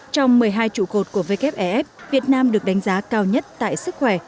trong một mươi hai trụ cột của wf việt nam được đánh giá cao nhất tại sức khỏe